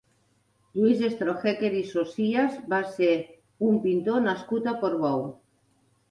Lluís Strohecker i Socias va ser un pintor nascut a Portbou.